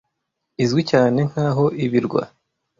izwi cyane nkaho Ibirwa